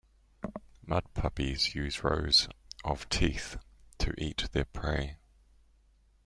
Mudpuppies use rows of teeth to eat their prey.